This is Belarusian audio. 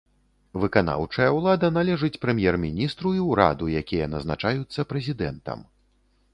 Выканаўчая ўлада належыць прэм'ер-міністру і ўраду, якія назначаюцца прэзідэнтам.